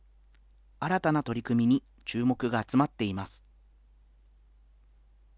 新たな取り組みに注目が集まっています。